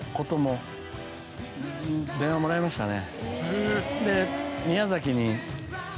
もらいましたね。